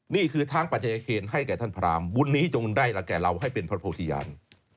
นี่คือทางปัชยเคนให้แก่ท่านพรามบุญนี้จงได้ละแก่เราให้เป็นพระโพธิญาณ